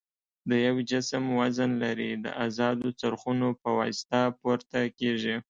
د یو جسم وزن لري د ازادو څرخونو په واسطه پورته کیږي.